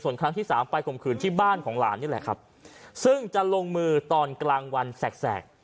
ส่วนครั้งที่สามไปข่มขืนที่บ้านของหลานนี่แหละครับซึ่งจะลงมือตอนกลางวันแสก